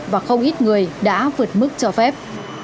và không ít người đã vượt mức cho phép